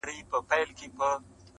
ژړېږه مه د لاسو مات بنگړي دې مه هېروه~